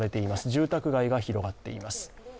住宅街が広がっています。